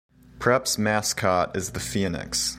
Prep's mascot is the Phoenix.